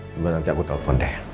coba nanti aku telepon deh